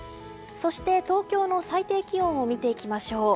そして東京の最低気温を見ていきましょう。